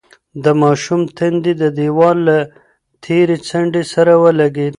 د ماشوم تندی د دېوال له تېرې څنډې سره ولگېد.